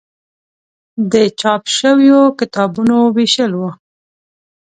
د چاپ شویو کتابونو ویشل و.